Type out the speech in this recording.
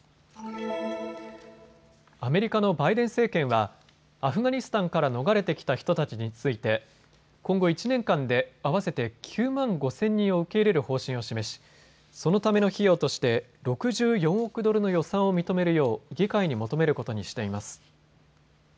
アメリカのバイデン政権はアフガニスタンから逃れてきた人たちについて今後１年間で合わせて９万５０００人を受け入れる方針を示しそのための費用として６４億ドルの予算を認めるよう議会に求めることにしています。